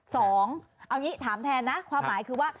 สองเอาอย่างนี้ถามแทนนะความหมายคือว่า